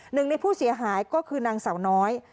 หนึ่งในผู้เสียหายก็คือนางสาวน้อย